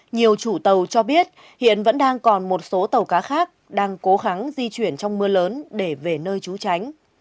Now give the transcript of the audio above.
nhiều chủ tàu cho biết hiện vẫn đang còn một số tàu cá khác đang cố gắng di chuyển trong mưa lớn để về nơi trú tránh